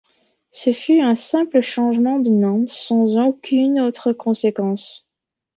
Ce fut un simple changement de nom, sans aucune autre conséquence.